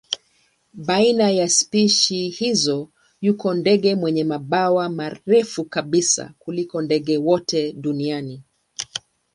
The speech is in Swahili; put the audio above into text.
Baina ya spishi hizi yuko ndege wenye mabawa marefu kabisa kuliko ndege wote duniani.